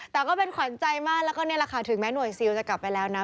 แต่ก็เป็นขวัญใจมากแล้วก็นี่แหละค่ะถึงแม้หน่วยซิลจะกลับไปแล้วนะ